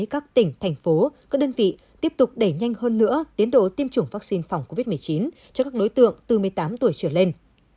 các tỉnh thành phố các đơn vị tiếp tục đẩy nhanh hơn nữa tiến độ tiêm chủng vaccine phòng covid một mươi chín cho các đối tượng từ một mươi tám tuổi trở lên